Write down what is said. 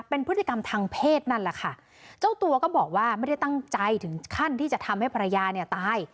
เป็นพฤติกรรมทางเพศนั่นแหละค่ะ